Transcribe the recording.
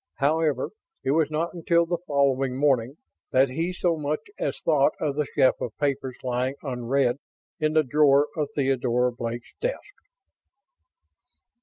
However, it was not until the following morning that he so much as thought of the sheaf of papers lying unread in the drawer of Theodora Blake's desk.